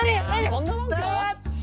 そんなもんか？